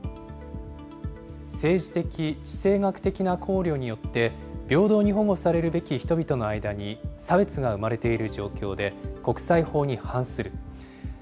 政治的・地政学的な考慮によって、平等に保護されるべき人々の間に差別が生まれている状況で、国際法に反する。